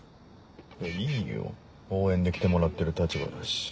えっいいよ応援で来てもらってる立場だし。